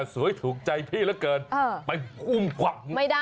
สวยถูกใจพี่แล้วเกินไปอุ้มกว่า